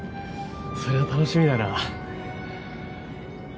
そりゃ楽しみだな。